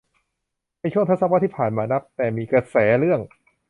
ในช่วงทศวรรษที่ผ่านมานับแต่มีกระแสเรื่อง